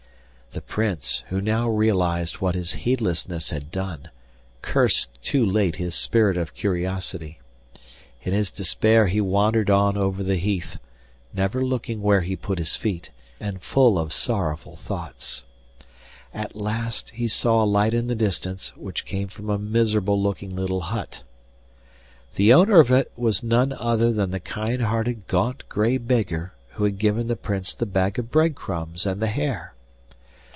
The Prince, who now realised what his heedlessness had done, cursed too late his spirit of curiosity. In his despair he wandered on over the heath, never looking where he put his feet, and full of sorrowful thoughts. At last he saw a light in the distance, which came from a miserable looking little hut. The owner of it was none other than the kind hearted gaunt grey beggar who had given the Prince the bag of bread crumbs and the hare.